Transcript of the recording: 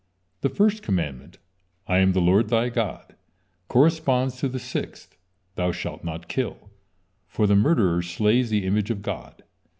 The first commandment: "I am the Lord, thy God," corresponds to the sixth: "Thou shalt not kill," for the murderer slays the image of God.